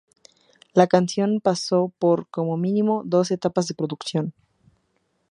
La canción pasó por, como mínimo, dos etapas de producción.